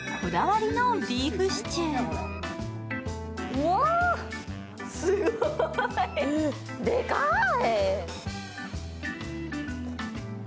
うわあ、すごーい、でかーい。